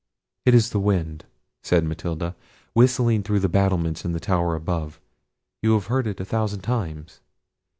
"It is the wind," said Matilda, "whistling through the battlements in the tower above: you have heard it a thousand times."